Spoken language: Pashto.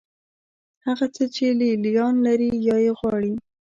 هغه څه چې لې لیان لري یا یې غواړي.